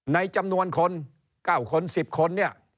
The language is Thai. ในจำนวนคน๙คน๑๐คน